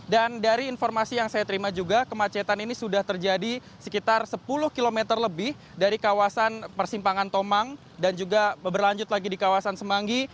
dan dari informasi yang saya terima juga kemacetan ini sudah terjadi sekitar sepuluh kilometer lebih dari kawasan persimpangan tomang dan juga berlanjut lagi di kawasan semanggi